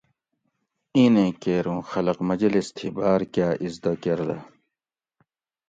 اینیں کیر اوں خلق مجلس تھی باۤر کاۤ اِزدہ کۤردہ